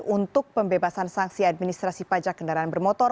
untuk pembebasan sanksi administrasi pajak kendaraan bermotor